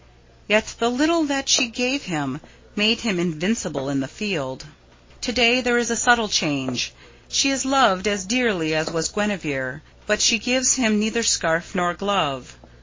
Yet the little that she gave him, made him invincible in the field. To day there is a subtle change. She is loved as dearly as was Guenevere, but she gives him neither scarf nor glove.